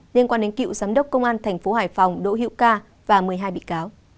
liên quan đến cựu giám đốc công an tp hải phòng đỗ hiễu ca và một mươi hai bị cáo